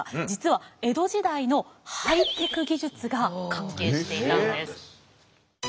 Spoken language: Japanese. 実は江戸時代のハイテク技術が関係していたんです。